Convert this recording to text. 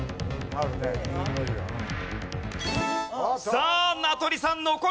さあ名取さん残るのか！？